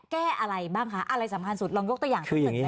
แก้อะไรบ้างคะอะไรสำคัญสุดลองยกตัวอย่างทั้งหมดได้ไหมคะ